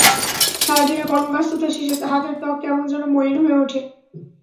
সারা দিনের কর্মব্যস্ততা শেষে হাতের ত্বক কেমন যেন মলিন হয়ে ওঠে।